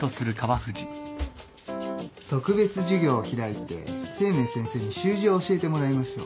特別授業を開いて清明先生に習字を教えてもらいましょう。